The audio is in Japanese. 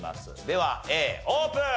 ではＡオープン！